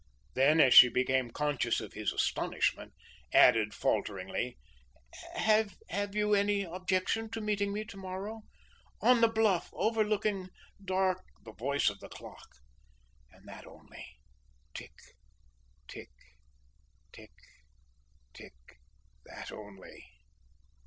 Then, as she became conscious of his astonishment, added falteringly: "Have you any objection to meeting me to morrow on the bluff overlooking Dark " The voice of the clock, and that only! Tick! Tick! Tick! Tick! That only!